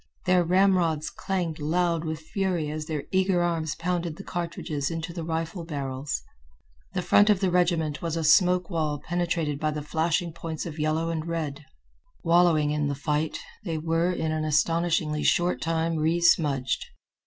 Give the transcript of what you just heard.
Their ramrods clanged loud with fury as their eager arms pounded the cartridges into the rifle barrels. The front of the regiment was a smoke wall penetrated by the flashing points of yellow and red. Wallowing in the fight, they were in an astonishingly short time resmudged.